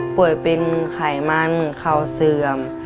ป่วยเป็นไขมันเข่าเสื่อม